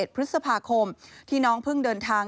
๑พฤษภาคมที่น้องเพิ่งเดินทาง